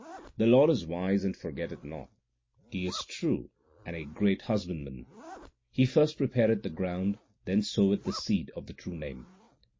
The Lord is wise and forgetteth not : He is true and a great husbandman. He first prepareth the ground, 1 then soweth the seed of the true Name.